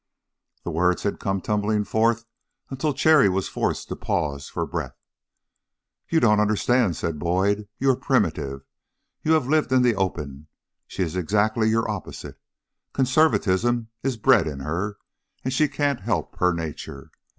The words had come tumbling forth until Cherry was forced to pause for breath. "You don't understand," said Boyd. "You are primitive; you have lived in the open; she is exactly your opposite. Conservatism is bred in her, and she can't help her nature.